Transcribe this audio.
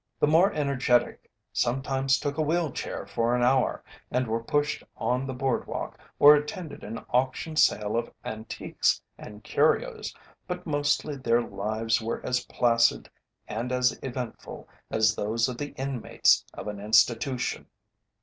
The more energetic sometimes took a wheel chair for an hour and were pushed on the Boardwalk or attended an auction sale of antiques and curios, but mostly their lives were as placid and as eventful as those of the inmates of an institution.